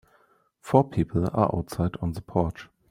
Four people are outside on the porch